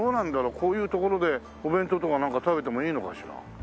こういう所でお弁当とかなんか食べてもいいのかしら？